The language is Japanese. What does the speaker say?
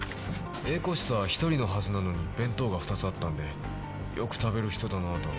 Ａ個室は一人のはずなのに弁当が２つあったんで「よく食べる人だな」と。